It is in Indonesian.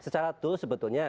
secara tools sebetulnya